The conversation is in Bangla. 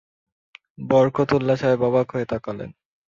বরকতউল্লাহ সাহেব অবাক হয়ে তাকালেন।